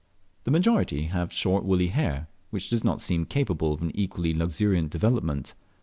The majority have short woolly hair, which does not seem capable of an equally luxuriant development.